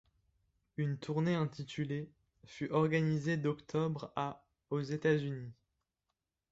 Une tournée intitulée ' fut organisée d'octobre à aux États-Unis.